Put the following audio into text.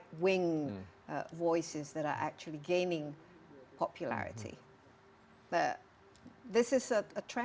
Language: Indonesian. tapi kedua duanya telah diperbukakan salah